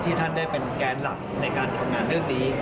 ท่านได้เป็นแกนหลักในการทำงานเรื่องนี้